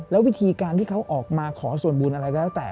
แล้ววิธีการที่เขาออกมาขอส่วนบุญอะไรก็แล้วแต่